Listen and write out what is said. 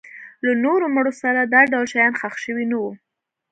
له نورو مړو سره دا ډول شیان ښخ شوي نه وو.